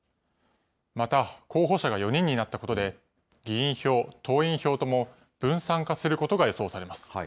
また、候補者が４人になったことで、議員票、党員票とも分散化することが予想されます。